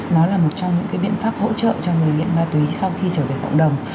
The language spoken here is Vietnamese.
nó là một trong những biện pháp hỗ trợ cho người nghiện ma túy sau khi trở về cộng đồng